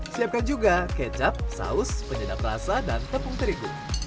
siapkan juga kecap saus penyedap rasa dan tepung terigu